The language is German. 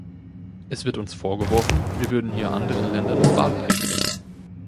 Es wird uns vorgeworfen, wir würden hier anderen Ländern Moral predigen.